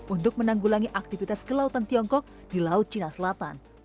untuk menanggulangi aktivitas kelautan tiongkok di laut cina selatan